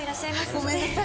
ごめんなさい。